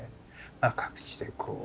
まあ各地でこう。